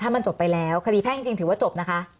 มันจบไปแล้วคดีแพ่งจริงถือว่าจบนะคะ